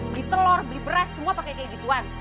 beli telur beli beras semua pakai kayak gituan